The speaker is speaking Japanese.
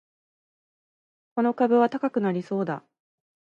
この株は高くなりそうだ